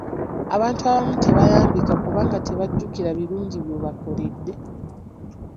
Abantu abamu tebayambika kubanga tebajjukira birungi by'obakoledde.